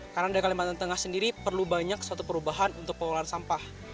karena dari kalimantan tengah sendiri perlu banyak suatu perubahan untuk pengurangan sampah